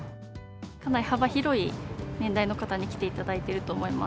かなり幅広い年代の方に来ていただいていると思います。